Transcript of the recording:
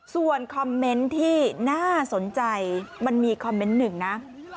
ส่วนคอมเมนต์ที่น่าสนใจมันมีคอมเมนต์หนึ่งนะ